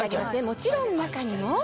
もちろん中にも。